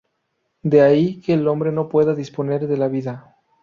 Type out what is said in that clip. De ahí que el hombre no pueda disponer de la vida.